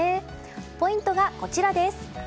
ポイントがこちらです。